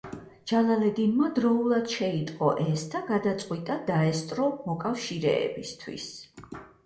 ჯალალედინმა დროულად შეიტყო ეს და გადაწყვიტა დაესწრო მოკავშირეებისათვის.